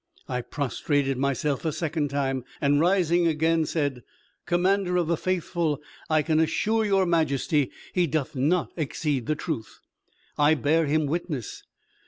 I prostrated myself a second time, and, rising again, said, "Commander of the Faithful, I can assure your majesty he doth not exceed the truth. I bear him witness.